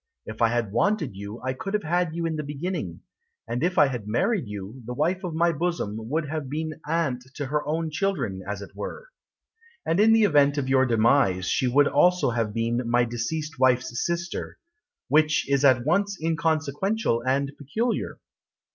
If I had wanted you I could have had you in the beginning. And if I had married you The wife of my bosom Would have been aunt to her own children, as it were. And in the event of your demise She would also have been My deceased wife's sister Which is at once inconsequential and peculiar.